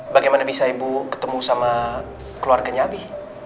bagaimana bisa ibu ketemu sama keluarganya abi